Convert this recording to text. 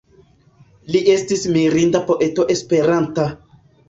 Li estis mirinda poeto Esperanta.